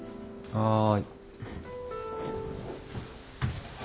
はい？